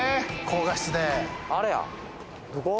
高画質であれやここ？